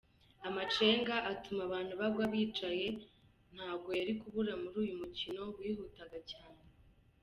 Amacenga atuma abantu bagwa bicaye ntabwo yari kubura muri uyu mukino wihutaga cyane.